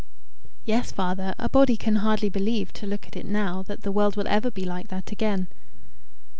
"Yes, father; a body can hardly believe, to look at it now, that the world will ever be like that again."